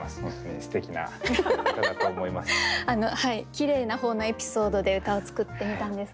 きれいな方のエピソードで歌を作ってみたんですが。